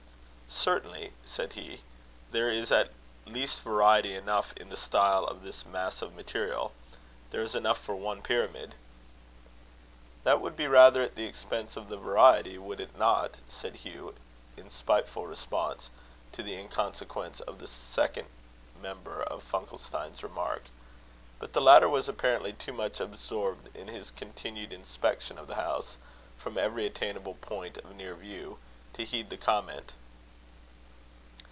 "Certainly," said he, "there is at least variety enough in the style of this mass of material. There is enough for one pyramid." "That would be rather at the expense of the variety, would it not?" said Hugh, in spiteful response to the inconsequence of the second member of Funkelstein's remark. But the latter was apparently too much absorbed in his continued inspection of the house, from every attainable point of near view, to heed the comment.